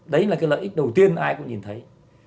đấy là cái lợi ích đầu tiên ai cũng nhìn thấy